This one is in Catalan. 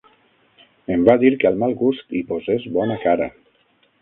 Em va dir que al mal gust hi posés bona cara.